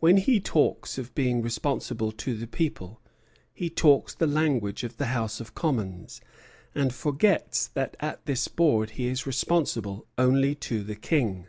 When he talks of being responsible to the people, he talks the language of the House of Commons, and forgets that at this board he is responsible only to the King.